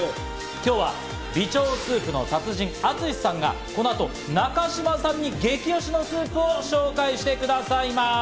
今日は美腸スープの達人・Ａｔｓｕｓｈｉさんがこの後、中島さんに激推しのスープを紹介してくださいます。